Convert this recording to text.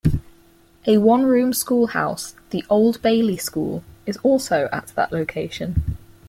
A one-room schoolhouse, the Old Bailey School, is also at that location.